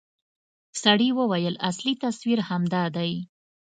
سړي وويل اصلي تصوير همدا دى.